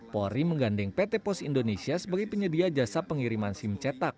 polri menggandeng pt pos indonesia sebagai penyedia jasa pengiriman sim cetak